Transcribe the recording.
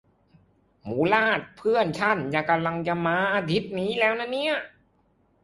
มูหลาดเพื่อนฉันกำลังจะมาอาทิตย์นี้